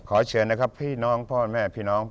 ขอเชิญนะครับพี่น้องพ่อแม่พี่น้อง